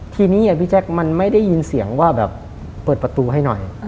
ทีนี้พี่แจ๊คมันไม่ได้ยินเสียงว่าแบบเปิดประตูให้หน่อย